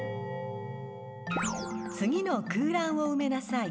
［次の空欄を埋めなさい］